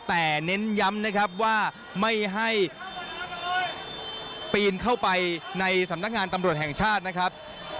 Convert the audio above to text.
แต่เน้นย้ำนะครับว่าไม่ให้ปีนเข้าไปในสำนักงานตำรวจแห่งชาตินะครับ